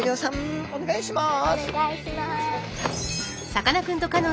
お願いします。